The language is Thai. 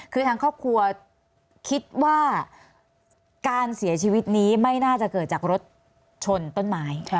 คือทางครอบครัวคิดว่าการเสียชีวิตนี้ไม่น่าจะเกิดจากรถชนต้นไม้